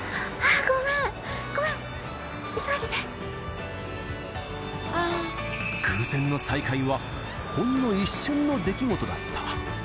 ごめん、ごめん、偶然の再会は、ほんの一瞬の出来事だった。